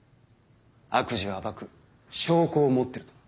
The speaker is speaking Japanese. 「悪事を暴く証拠を持ってる」と。